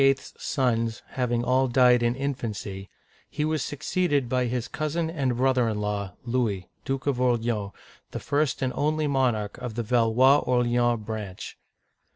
*s sons having all died in infancy, he was succeeded by his cousin and brother in law, Louis, Duke of Orleans, the first and only monarch of the Valois Orleans branch.